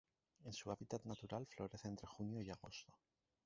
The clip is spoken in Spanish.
En su hábitat natural, florece entre junio y agosto.